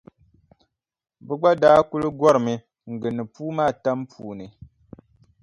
Bɛ gba daa kuli gɔrimi n-gindi puu maa tam puuni.